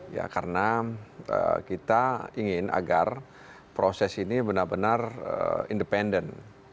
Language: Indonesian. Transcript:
ya karena kita ingin agar proses ini benar benar independen